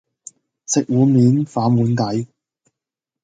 食碗面反碗底